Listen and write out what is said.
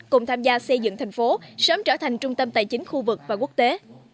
cùng tham gia xây dựng thành phố sớm trở thành trung tâm tài chính khu vực và quốc tế